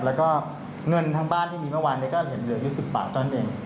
แล้วก็เงินทั้งบ้านที่มีเมื่อวานนี้ก็เห็นเหลืออยู่๑๐บาทเท่านั้นเอง